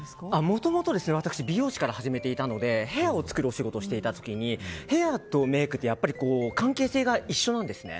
もともと、私美容師から始めていたのでヘアを作るお仕事をしていた時にヘアとメイクって関係性が一緒なんですね。